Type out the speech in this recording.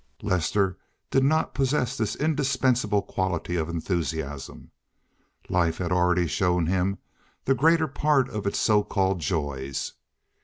Lester did not possess this indispensable quality of enthusiasm. Life had already shown him the greater part of its so called joys.